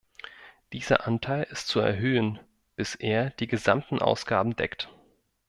Dieser Anteil ist zu erhöhen, bis er die gesamten Ausgaben deckt.